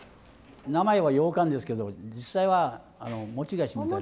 名前はようかんですけど実際は餅菓子みたいな。